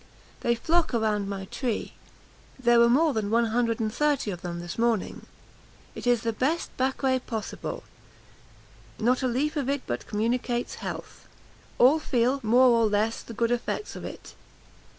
They flock around my tree; there were more than one hundred and thirty of them this morning. It is the best baquet possible; not a leaf of it but communicates health! all feel, more or less, the good effects of it.